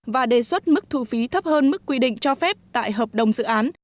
và đề xuất mức thu phí thấp hơn mức quy định cho phép tại hợp đồng dự án